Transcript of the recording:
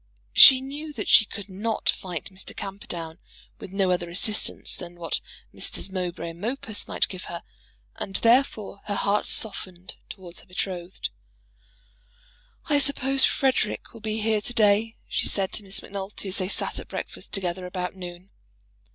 She knew that she could not fight Mr. Camperdown with no other assistance than what Messrs. Mowbray and Mopus might give her, and therefore her heart softened towards her betrothed. "I suppose Frederic will be here to day," she said to Miss Macnulty, as they sat at breakfast together about noon.